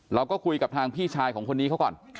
เราก็คุยกับทางพี่ชายของคนนี้เขาก่อน